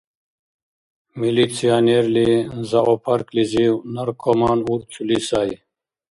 Милиционерли зоопарклизив наркоман урцули сай.